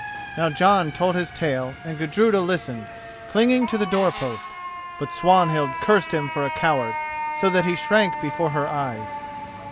Now Jon told his tale and Gudruda listened, clinging to the door post. But Swanhild cursed him for a coward, so that he shrank before her eyes.